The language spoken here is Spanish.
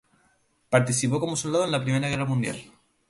Participó como soldado en la Primera Guerra Mundial.